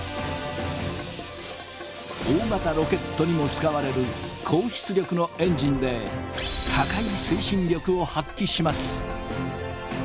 大型ロケットにも使われる高出力のエンジンで高い推進力を発揮します。